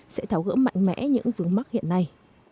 sẽ tháo gỡ mạnh mẽ những vướng mắc hiện nay